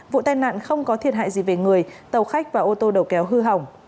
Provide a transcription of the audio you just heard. vụ tai nạn không có thiệt hại gì về người tàu khách và ô tô đầu kéo hư hỏng